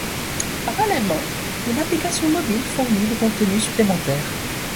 Parallèlement, une application mobile fournit des contenus supplémentaires.